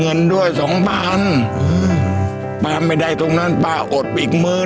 พี่ลืมนั้นป่ะไม่ได้ตรงนั้นป่าอดอีกมิ